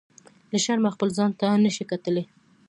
له شرمه خپل ځان ته نه شي کتلی.